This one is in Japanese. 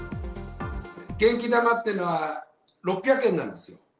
元気玉っていうのは、６００円なんです。